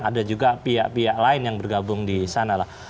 ada juga pihak pihak lain yang bergabung di sejarah